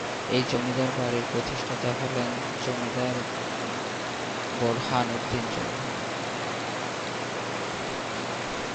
এই জমিদার বাড়ির প্রতিষ্ঠাতা হলেন জমিদার বোরহানউদ্দিন চৌধুরী।